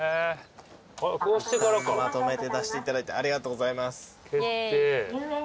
まとめて出していただいてありがとうございます。